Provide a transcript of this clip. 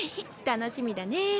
楽しみだね！